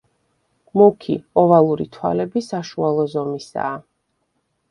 მუქი, ოვალური თვალები საშუალო ზომისაა.